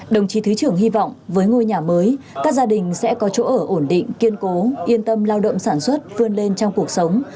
đồng chí thứ trưởng hy vọng với ngôi nhà mới các gia đình sẽ có chỗ ở ổn định kiên cố yên tâm lao động sản xuất vươn lên trong cuộc sống